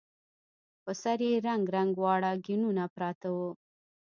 پر سر يې رنګ رنګ واړه ګېنونه پراته وو.